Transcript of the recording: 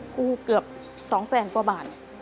กู้เกือบ๒แสนกว่าบาท